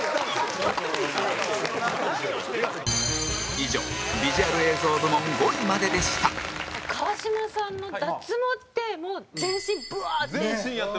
以上、ビジュアル映像部門５位まででした川島さんの脱毛って全身ブワーって？